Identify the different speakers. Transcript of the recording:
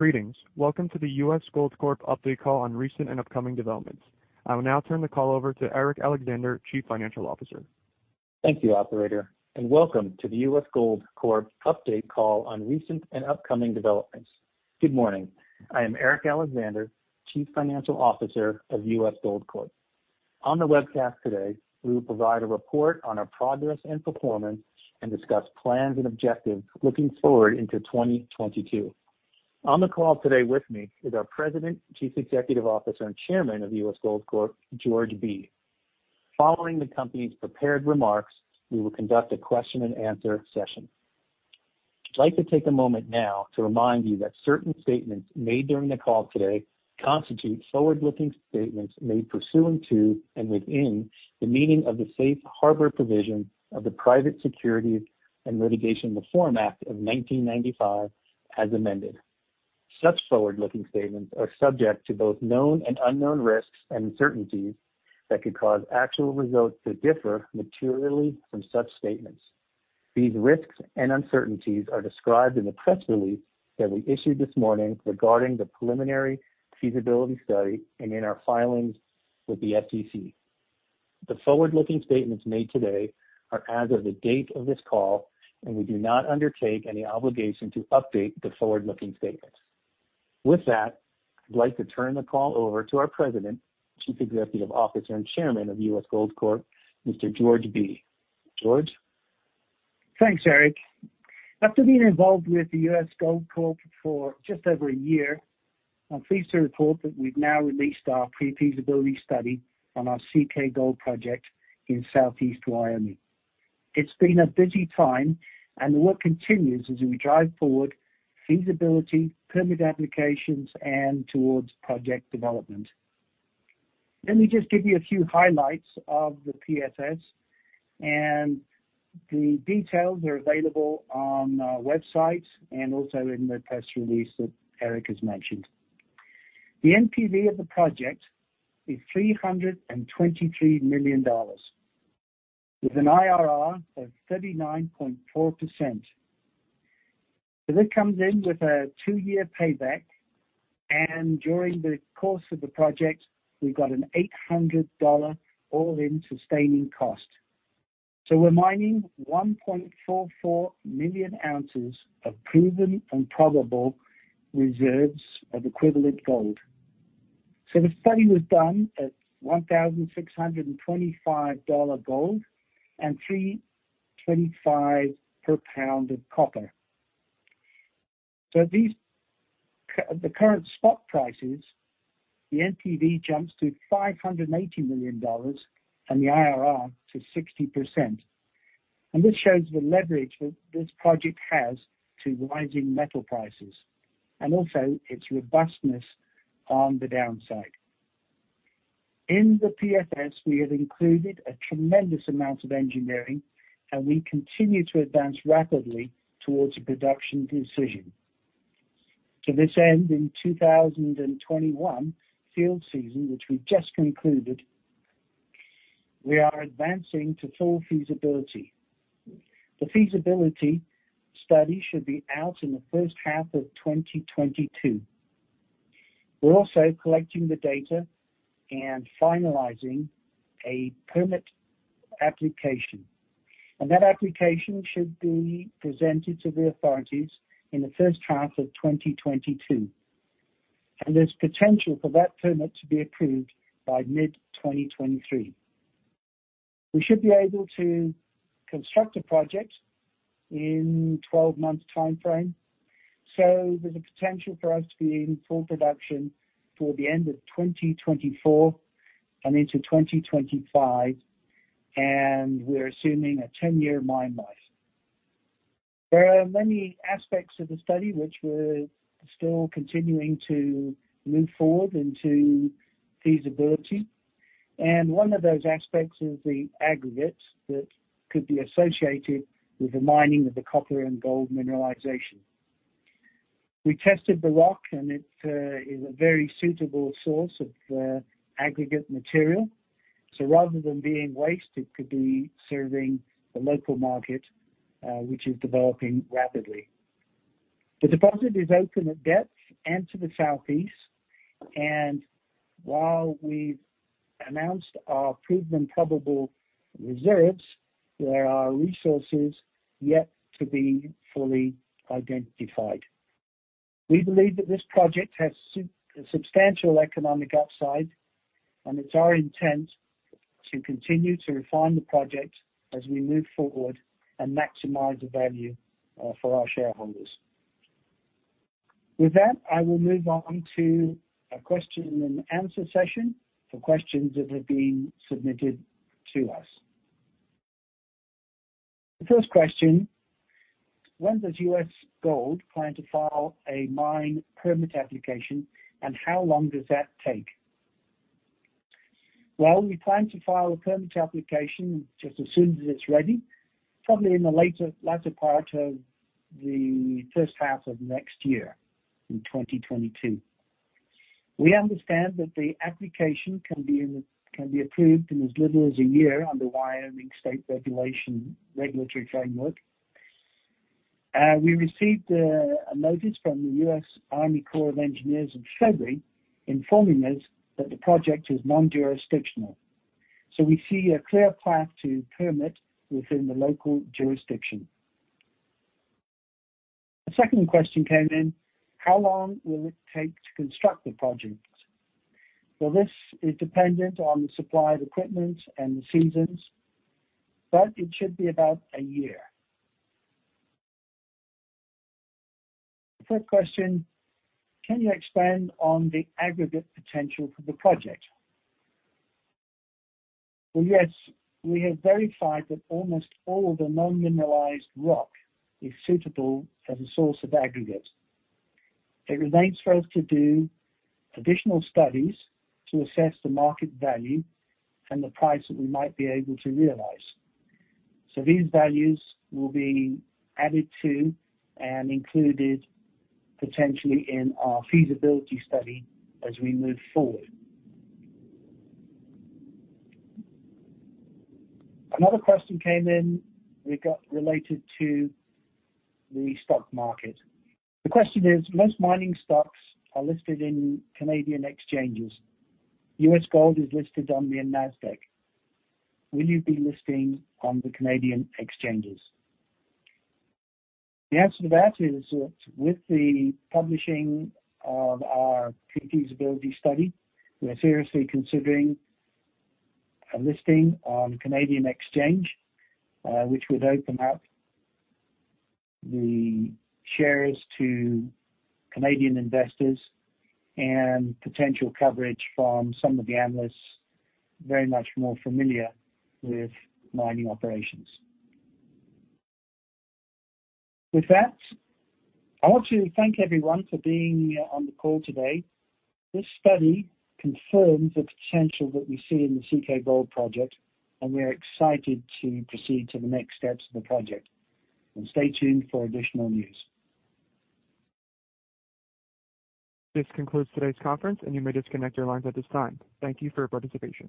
Speaker 1: Greetings! Welcome to the U.S. Gold Corp. update call on recent and upcoming developments. I will now turn the call over to Eric Alexander, Chief Financial Officer.
Speaker 2: Thank you, operator, and welcome to the U.S. Gold Corp. update call on recent and upcoming developments. Good morning. I am Eric Alexander, Chief Financial Officer of U.S. Gold Corp. On the webcast today, we will provide a report on our progress and performance and discuss plans and objectives looking forward into 2022. On the call today with me is our President, Chief Executive Officer, and Chairman of U.S. Gold Corp., George Bee. Following the company's prepared remarks, we will conduct a question and answer session. I'd like to take a moment now to remind you that certain statements made during the call today constitute forward-looking statements made pursuant to and within the meaning of the safe harbor provision of the Private Securities Litigation Reform Act of 1995, as amended. Such forward-looking statements are subject to both known and unknown risks and uncertainties that could cause actual results to differ materially from such statements. These risks and uncertainties are described in the press release that we issued this morning regarding the pre-feasibility study and in our filings with the SEC. The forward-looking statements made today are as of the date of this call, we do not undertake any obligation to update the forward-looking statements. With that, I'd like to turn the call over to our President, Chief Executive Officer, and Chairman of U.S. Gold Corp., Mr. George Bee. George?
Speaker 3: Thanks, Eric. After being involved with the U.S. Gold Corp. for just over a year, I'm pleased to report that we've now released our pre-feasibility study on our CK Gold Project in southeast Wyoming. It's been a busy time, the work continues as we drive forward feasibility, permit applications, and towards project development. Let me just give you a few highlights of the PFS, and the details are available on our website and also in the press release that Eric has mentioned. The NPV of the project is $323 million, with an IRR of 39.4%. This comes in with a two-year payback, and during the course of the project, we've got an $800 All-in Sustaining Cost. We're mining 1.44 million ounces of proven and probable reserves of gold equivalent. The study was done at $1,625 gold and $3.25 per pound of copper. These, at the current spot prices, the NPV jumps to $580 million and the IRR to 60%. This shows the leverage that this project has to rising metal prices and also its robustness on the downside. In the PFS, we have included a tremendous amount of engineering, and we continue to advance rapidly towards a production decision. To this end, in 2021 field season, which we just concluded, we are advancing to full feasibility. The feasibility study should be out in the first half of 2022. We're also collecting the data and finalizing a permit application, that application should be presented to the authorities in the first half of 2022, there's potential for that permit to be approved by mid-2023. We should be able to construct a project in 12 months timeframe, there's a potential for us to be in full production toward the end of 2024 and into 2025, we're assuming a 10-year mine life. There are many aspects of the study which we're still continuing to move forward into feasibility, one of those aspects is the aggregates that could be associated with the mining of the copper and gold mineralization. We tested the rock, it is a very suitable source of aggregate material. Rather than being waste, it could be serving the local market, which is developing rapidly. The deposit is open at depth and to the southeast. While we've announced our proven and probable reserves, there are resources yet to be fully identified. We believe that this project has substantial economic upside, and it's our intent to continue to refine the project as we move forward and maximize the value for our shareholders. With that, I will move on to a question and answer session for questions that have been submitted to us. The first question: When does U.S. Gold plan to file a mine permit application, and how long does that take? Well, we plan to file a permit application just as soon as it's ready, probably in the later, latter part of the first half of next year, in 2022. We understand that the application can be in, can be approved in as little as a year under Wyoming State Regulation Regulatory Framework. We received a notice from the U.S. Army Corps of Engineers in February, informing us that the project is non-jurisdictional. We see a clear path to permit within the local jurisdiction. The second question came in: How long will it take to construct the project? Well, this is dependent on the supply of equipment and the seasons, but it should be about a year. Third question: Can you expand on the aggregate potential for the project? Well, yes. We have verified that almost all of the non-mineralized rock is suitable as a source of aggregate. It remains for us to do additional studies to assess the market value and the price that we might be able to realize. These values will be added to and included potentially in our feasibility study as we move forward. Another question came in, we got related to the stock market. The question is: Most mining stocks are listed in Canadian Exchanges. U.S. Gold is listed on the Nasdaq. Will you be listing on the Canadian Exchanges? The answer to that is, with the publishing of our pre-feasibility study, we are seriously considering a listing on Canadian Exchange, which would open up the shares to Canadian investors and potential coverage from some of the analysts, very much more familiar with mining operations. With that, I want to thank everyone for being on the call today. This study confirms the potential that we see in the CK Gold Project, and we are excited to proceed to the next steps of the project, and stay tuned for additional news.
Speaker 1: This concludes today's conference, and you may disconnect your lines at this time. Thank you for your participation.